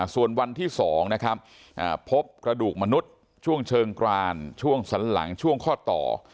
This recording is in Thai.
ส่วนวันที่๒นะครับพบกระดูกมนุษย์ช่วงเชิงกรานช่วงสันหลังช่วงข้อต่อ